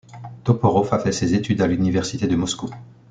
Toporov a fait ses études à l'université de Moscou.